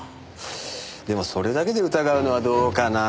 でもそれだけで疑うのはどうかなぁ？